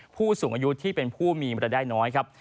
ผู้สูงอายุที่เป็นผู้มีรายได้น้อยครับ